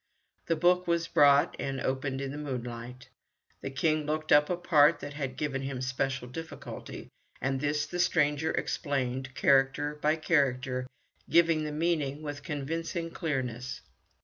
The book was brought and opened in the moonlight. The King looked up a part that had given him special difficulty, and this the stranger explained character by character, giving the meaning with convincing clearness.